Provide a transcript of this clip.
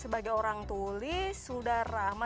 sebagai orang tulis sudah ramah